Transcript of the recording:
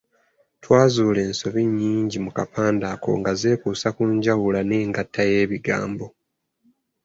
Twazuula ensobi nnyingi mu kapande ako nga zeekuusa ku njawula n'engatta y'ebigambo.